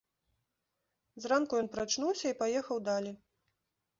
Зранку ён прачнуўся і паехаў далей.